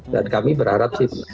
dan kami berharap sih